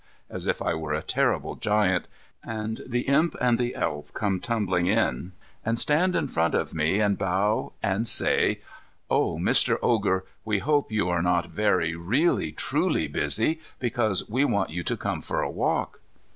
as if I were a terrible giant. And the Imp and the Elf come tumbling in, and stand in front of me, and bow and say, "Oh, Mr. Ogre, we hope you are not very really truly busy, because we want you to come for a walk."